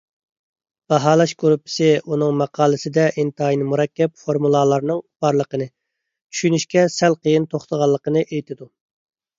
باھالاش گۇرۇپپىسى ئۇنىڭ ماقالىسىدە ئىنتايىن مۇرەككەپ فورمۇلالارنىڭ بارلىقىنى، چۈشىنىشكە سەل قىيىن توختىغانلىقىنى ئېيتىدۇ.